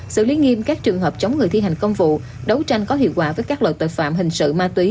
xử lý nghiêm các trường hợp chống người thi hành công vụ đấu tranh có hiệu quả với các loại tội phạm hình sự ma túy